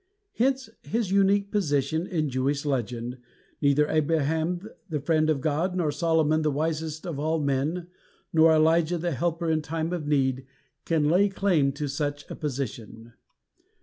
hence his unique position in Jewish legend, neither Abraham, the friend of God, nor Solomon, the wisest of all men, nor Elijah, the helper in time of need. can lay claim to such a position.